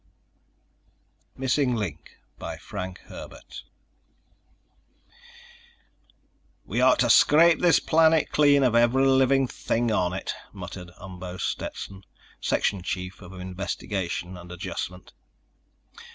_ Illustrated by van Dongen "We ought to scrape this planet clean of every living thing on it," muttered Umbo Stetson, section chief of Investigation & Adjustment.